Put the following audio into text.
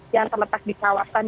yang terletak di kawasan